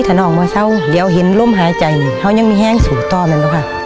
ถ้าน้องว่าเราเห็นร่มหาใจเรายังไม่แห้งสู่ต่อมันแล้วค่ะ